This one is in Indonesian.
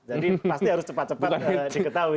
jadi pasti harus cepat cepat diketahui